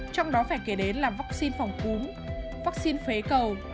trong đó phải kể đến là vaccine phòng cúm vaccine phế cầu